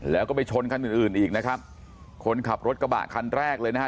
แล้วก็ไปชนคันอื่นอื่นอีกนะครับคนขับรถกระบะคันแรกเลยนะฮะ